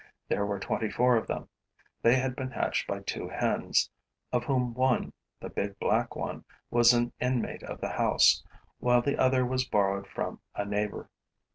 There were twenty four of them. They had been hatched by two hens, of whom one, the big, black one, was an inmate of the house, while the other was borrowed from a neighbor.